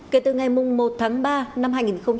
kể từ ngày một tháng ba năm hai nghìn hai mươi